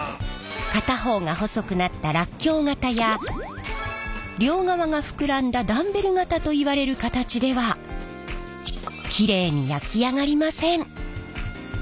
片方が細くなったらっきょう型や両側が膨らんだダンベル型といわれる形ではきれいに焼き上がりません。